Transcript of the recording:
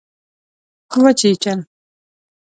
وچیچل